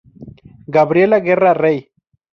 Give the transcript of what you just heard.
Gabriela Guerra Rey.